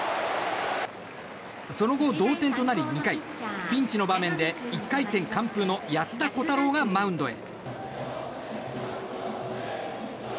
その後、同点となり２回ピンチの場面で１回戦完封の安田虎汰郎がマウンドへ。